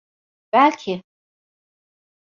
Belki…